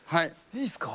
いいっすか？